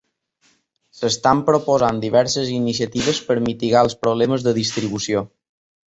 S'estan proposant diverses iniciatives per mitigar els problemes de distribució.